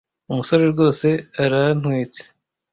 umusore rwose arantwitse.